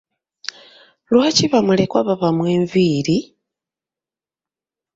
Lwaki ba mulekwa babamwa enviiri?